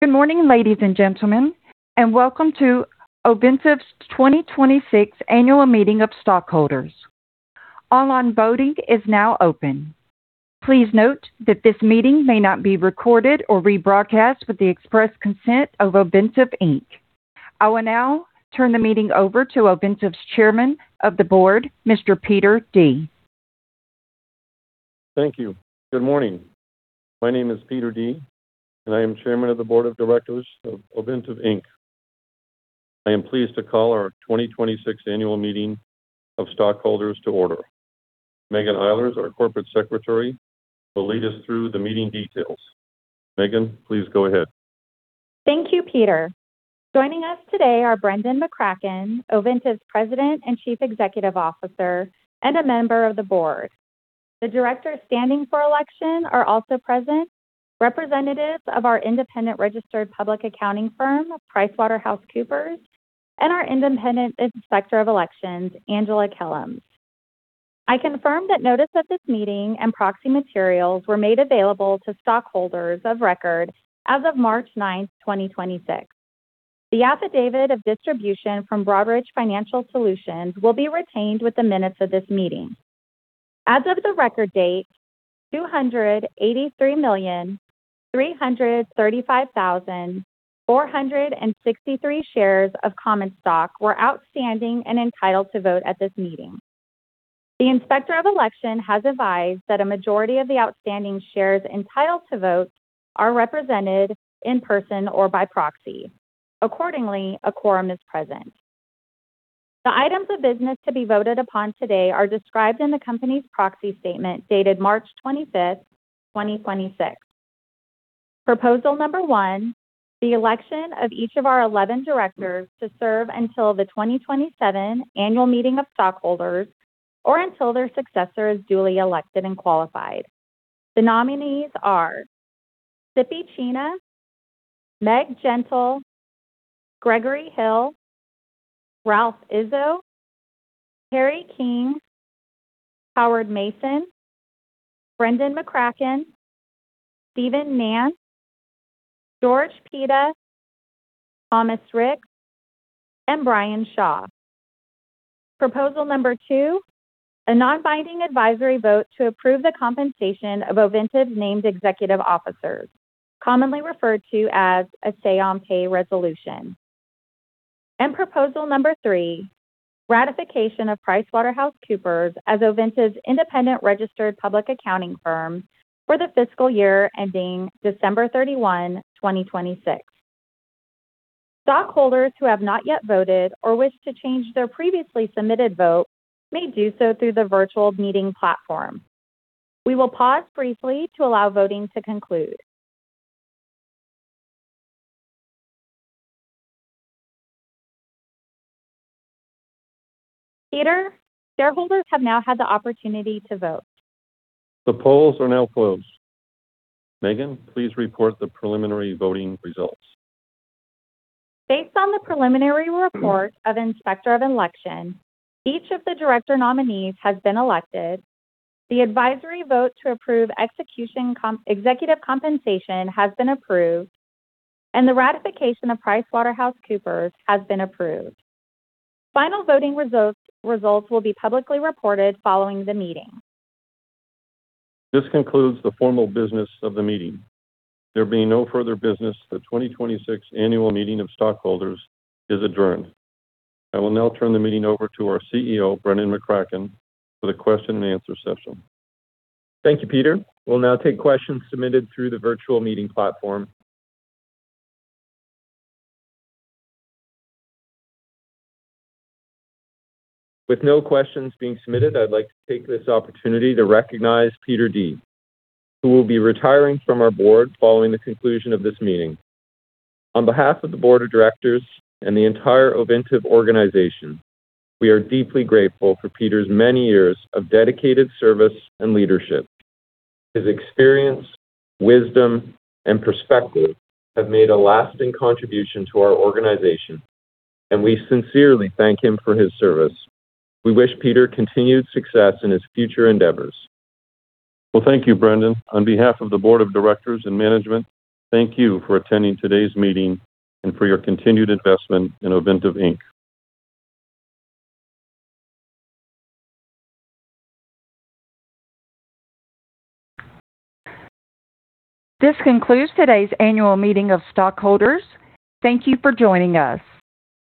Good morning, ladies and gentlemen, and welcome to Ovintiv's 2026 Annual Meeting of Stockholders. Online voting is now open. Please note that this meeting may not be recorded or rebroadcast with the express consent of Ovintiv Inc. I will now turn the meeting over to Ovintiv's Chairman of the Board, Mr. Peter Dea. Thank you. Good morning. My name is Peter Dea, and I am Chairman of the Board of Directors of Ovintiv Inc. I am pleased to call our 2026 annual meeting of stockholders to order. Meghan Eilers, our Corporate Secretary, will lead us through the meeting details. Meghan, please go ahead. Thank you, Peter. Joining us today are Brendan McCracken, Ovintiv's President and Chief Executive Officer, and a member of the Board. The directors standing for election are also present, representatives of our independent registered public accounting firm, PricewaterhouseCoopers, and our independent Inspector of Elections, Angela Kellems. I confirm that notice of this meeting and proxy materials were made available to stockholders of record as of March 9, 2026. The affidavit of distribution from Broadridge Financial Solutions will be retained with the minutes of this meeting. As of the record date, 283,335,463 shares of common stock were outstanding and entitled to vote at this meeting. The Inspector of Election has advised that a majority of the outstanding shares entitled to vote are represented in person or by proxy. Accordingly, a quorum is present. The items of business to be voted upon today are described in the company's proxy statement dated March 25th, 2026. Proposal number one, the election of each of our 11 directors to serve until the 2027 annual meeting of stockholders or until their successor is duly elected and qualified. The nominees are Sippy Chhina, Meg Gentle, Gregory Hill, Ralph Izzo, Harry King, Howard Mayson, Brendan McCracken, Steven Nance, George Pita, Thomas Ricks, and Brian Shaw. Proposal number two, a non-binding advisory vote to approve the compensation of Ovintiv named executive officers, commonly referred to as a say on pay resolution. Proposal number three, ratification of PricewaterhouseCoopers as Ovintiv's independent registered public accounting firm for the fiscal year ending December 31, 2026. Stockholders who have not yet voted or wish to change their previously submitted vote may do so through the virtual meeting platform. We will pause briefly to allow voting to conclude. Peter, shareholders have now had the opportunity to vote. The polls are now closed. Meghan, please report the preliminary voting results. Based on the preliminary report of Inspector of Elections, each of the director nominees has been elected. The advisory vote to approve executive compensation has been approved, and the ratification of PricewaterhouseCoopers has been approved. Final voting results will be publicly reported following the meeting. This concludes the formal business of the meeting. There being no further business, the 2026 annual meeting of stockholders is adjourned. I will now turn the meeting over to our CEO, Brendan McCracken, for the question-and-answer session. Thank you, Peter. We'll now take questions submitted through the virtual meeting platform. With no questions being submitted, I'd like to take this opportunity to recognize Peter Dea, who will be retiring from our board following the conclusion of this meeting. On behalf of the board of directors and the entire Ovintiv organization, we are deeply grateful for Peter's many years of dedicated service and leadership. His experience, wisdom, and perspective have made a lasting contribution to our organization, and we sincerely thank him for his service. We wish Peter continued success in his future endeavors. Well, thank you, Brendan. On behalf of the board of directors and management, thank you for attending today's meeting and for your continued investment in Ovintiv Inc. This concludes today's annual meeting of stockholders. Thank you for joining us.